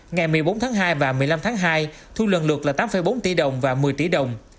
ngày một mươi bốn tháng hai và một mươi năm tháng hai thu lần lượt là tám bốn tỷ đồng và một mươi tỷ đồng